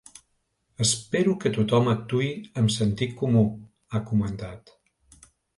Espero que tothom actuï amb sentit comú, ha comentat.